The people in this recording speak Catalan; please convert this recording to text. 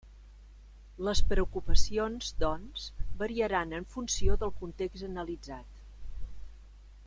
Les preocupacions, doncs, variaran en funció del context analitzat.